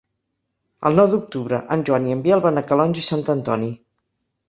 El nou d'octubre en Joan i en Biel van a Calonge i Sant Antoni.